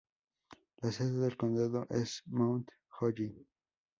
La sede del condado es Mount Holly.